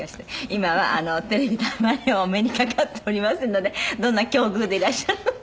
今はテレビであんまりお目にかかっておりませんのでどんな境遇でいらっしゃるのか。